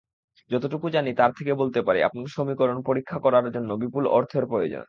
যতটুকু জানি তার থেকে বলতে পারি আপনার সমীকরণ পরীক্ষা করার জন্যে বিপুল অর্থের প্রয়োজন।